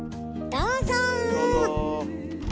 どうぞ。